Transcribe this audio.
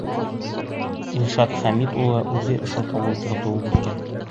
Илшат Хәмит улы үҙе ошо ауылда тыуып үҫкән.